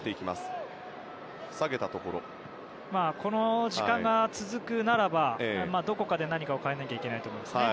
この時間が続くならばどこかで何かを変えなきゃいけないですね。